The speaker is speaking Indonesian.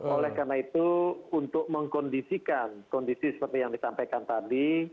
oleh karena itu untuk mengkondisikan kondisi seperti yang disampaikan tadi